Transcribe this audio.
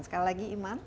sekali lagi iman